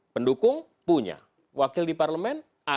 pendukung punya wakil di parlemen